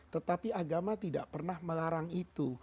tetapi agama tidak pernah melarang itu